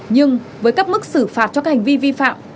nhưng với các mức xử phạt cho các hành vi vi phạm